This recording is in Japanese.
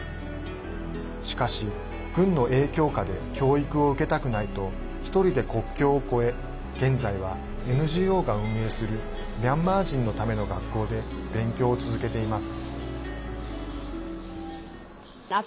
しかし、軍の影響下で教育を受けたくないと１人で国境を越え現在はＮＧＯが運営するミャンマー人のための学校で勉強を続けています。